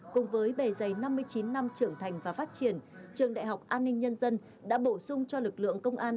cùng với bề dày năm mươi chín năm trưởng thành và phát triển trường đại học an ninh nhân dân đã bổ sung cho lực lượng công an